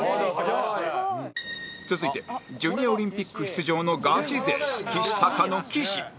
続いてジュニアオリンピック出場のガチ勢きしたかの岸